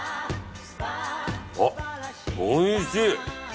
あっおいしい！